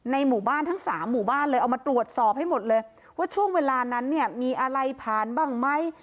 หมู่บ้านทั้งสามหมู่บ้านเลยเอามาตรวจสอบให้หมดเลยว่าช่วงเวลานั้นเนี่ยมีอะไรผ่านบ้างไหม